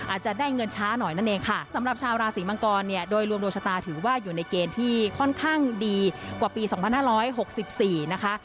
อาจจะได้เงินช้าหน่อยนั่นเองค่ะสำหรับชาวราศีมังกรเนี่ยโดยรวมดวงชะตาถือว่าอยู่ในเกณฑ์ที่ค่อนข้างดีกว่าปี๒๕๖๔นะคะ